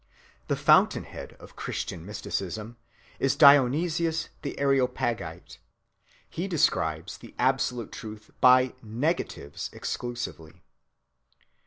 The fountain‐head of Christian mysticism is Dionysius the Areopagite. He describes the absolute truth by negatives exclusively.